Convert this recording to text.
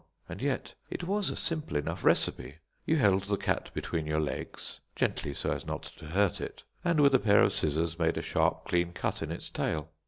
And yet it was a simple enough recipe. You held the cat between your legs, gently, so as not to hurt it, and with a pair of scissors made a sharp, clean cut in its tail.